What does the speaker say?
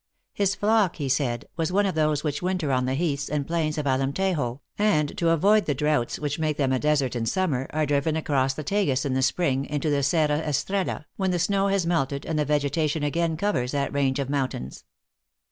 His flock, he said, was one of those which winter on the heaths and plains of Alemtejo, and, to avoid the droughts which make them a desert in summer, are driven across the Tagus in the spring, into the Serra Estrdla, when the snow has melted, and vegetation again covers that range of mountains.